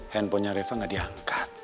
handphonenya reva gak diangkat